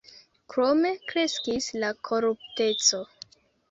Krome kreskis la korupteco.